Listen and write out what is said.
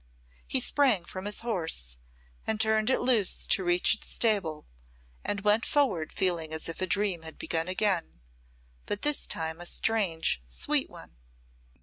He sprang from his horse and turned it loose to reach its stable, and went forward feeling as if a dream had begun again, but this time a strange, sweet one.